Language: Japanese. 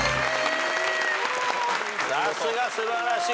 さすが素晴らしい。